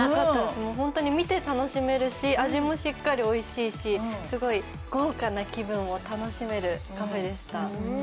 本当に見て楽しめるし、味もしっかりおいしいしすごい豪華な気分を楽しめるカフェでした。